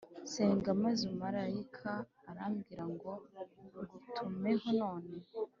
nsenga maze umumarayika arambwira ngo ngutumeho None